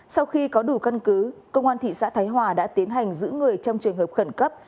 sau khi có đủ căn cứ công an thị xã thái hòa đã tiến hành giữ người trong trường hợp khẩn cấp